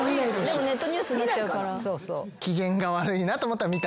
でもネットニュースなっちゃうから。